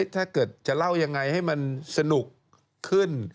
ถ้าเกิดจะเล่ายังไงให้มันสนุกขึ้น